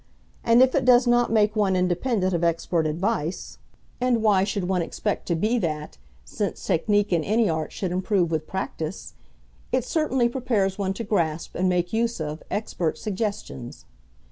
And if it does not make one independent of expert advice (and why should one expect to be that, since technique in any art should improve with practice?) it certainly prepares one to grasp and make use of, expert suggestions.